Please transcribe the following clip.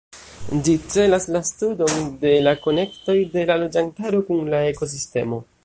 Ĝi celas la studon de la konektoj de la loĝantaro kun la ekosistemo.